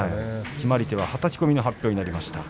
決まり手ははたき込みの発表になりました。